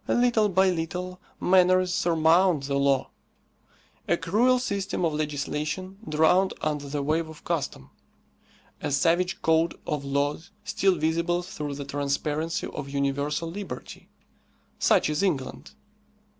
Little by little manners surmount the law. A cruel system of legislation drowned under the wave of custom; a savage code of laws still visible through the transparency of universal liberty: such is England.